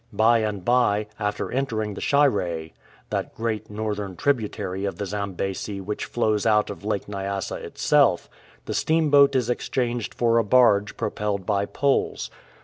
By and by, after entering the Shire, that great northern tributary of the Zambesi which flows out of Lake Nyasa itself, the steamboat is exchanged for a barge propelled by poles.